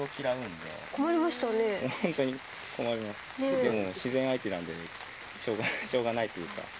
でも自然相手なんでしょうがないというか。